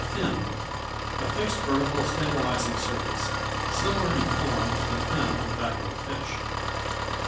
Fin A fixed vertical stabilizing surface, similar in form to the fin on the back of a fish.